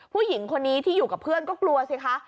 ผู้หญิงคนนี้ที่อยู่กับเพื่อนก็กลัวสิคะ